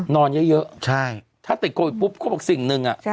นอนเยอะถ้าติดโควิดปุ๊บเขาบอกสิ่งหนึ่ง